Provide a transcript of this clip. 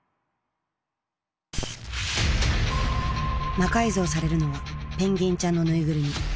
魔改造されるのはペンギンちゃんのぬいぐるみ。